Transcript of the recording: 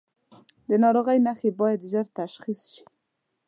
د ناروغۍ نښې باید ژر تشخیص شي.